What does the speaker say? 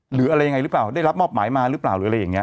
หรืออะไรยังไงหรือเปล่าได้รับมอบหมายมาหรือเปล่าหรืออะไรอย่างนี้